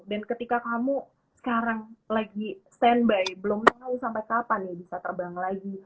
dan ketika kamu sekarang lagi standby belum tahu sampai kapan ya bisa terbang lagi